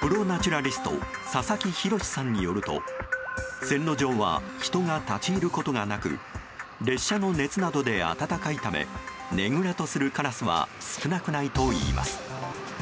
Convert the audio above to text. プロナチュラリスト佐々木洋さんによると線路上は人が立ち入ることがなく列車の熱などで温かいためねぐらとするカラスは少なくないといいます。